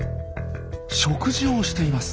食事をしています。